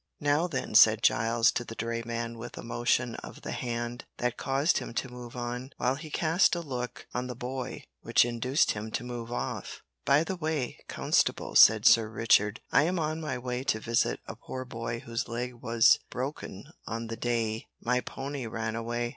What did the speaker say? "Now then," said Giles to the dray man with a motion of the hand that caused him to move on, while he cast a look on the boy which induced him to move off. "By the way, constable," said Sir Richard, "I am on my way to visit a poor boy whose leg was broken on the day my pony ran away.